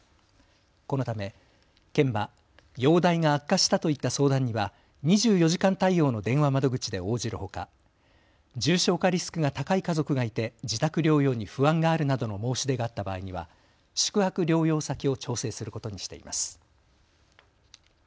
このため、県は容体が悪化したといった相談には２４時間対応の電話窓口で応じるほか重症化リスクが高い家族がいて自宅療養に不安があるなどの申し出があった場合には宿泊療養先を調整することにしています。